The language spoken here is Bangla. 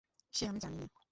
সে আমি জানি নে।